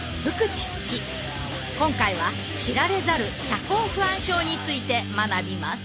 今回は知られざる「社交不安症」について学びます。